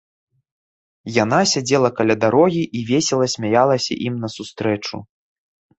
Яна сядзела каля дарогі і весела смяялася ім насустрэчу.